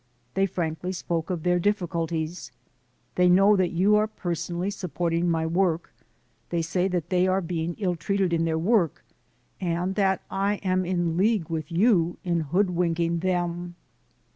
They frankly spoke of their diffi culties. They know that you are personally sup porting my work; they say that they are being ill treated in their work and that I am in league 210 THE SOUL OF AN IMMIGRANT with you in hoodwinking them.